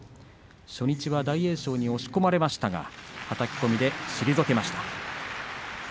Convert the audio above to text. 初日は大栄翔に押し込まれましたがはたき込みで退けました。